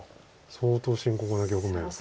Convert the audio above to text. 相当深刻な局面です。